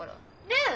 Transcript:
ねえ？